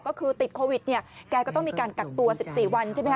ก็คือติดโควิดใครก็ต้องมีการกัดตัว๑๔วันใช่ไหม